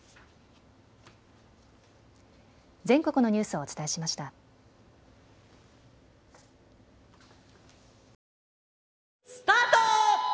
スタート！